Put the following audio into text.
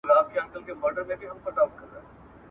هم یې بوی هم یې لوګی پر ځان منلی !.